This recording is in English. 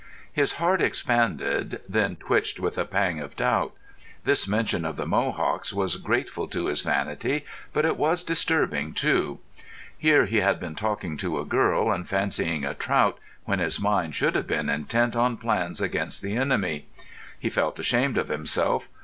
His heart expanded, then twitched with a pang of doubt. This mention of the Mohawks was grateful to his vanity, but it was disturbing too. Here he had been talking to a girl and catching a trout, when his mind should have been intent on plans against the enemy. He felt ashamed of himself.